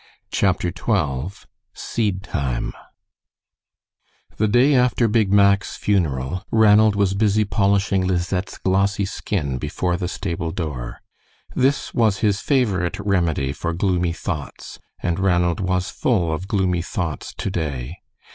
CHAPTER XII SEED TIME The day after Big Mack's funeral, Ranald was busy polishing Lizette's glossy skin, before the stable door. This was his favorite remedy for gloomy thoughts, and Ranald was full of gloomy thoughts to day.